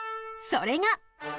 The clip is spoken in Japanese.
それが！